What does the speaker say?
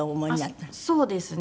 そうですね。